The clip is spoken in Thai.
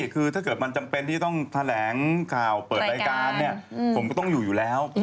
คือถ้าเกิดมันจำเป็นที่ต้องแถลงข่าวเปิดรายการเนี่ยผมก็ต้องอยู่อยู่แล้ว